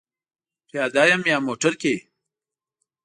پیاده یم یا موټر کې؟